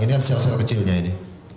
ini kan sel sel kecilnya ini